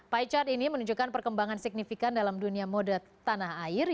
pie chart ini menunjukkan perkembangan signifikan dalam dunia mode tanah air